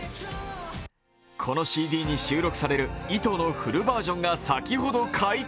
このＣＤに収録される「Ｉｔｏ」のフルバージョンが先ほど解禁。